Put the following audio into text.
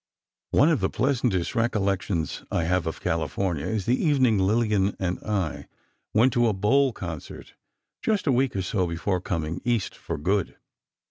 One of the pleasantest recollections I have of California is the evening Lillian and I went to a "bowl" concert just a week or so before coming East for good.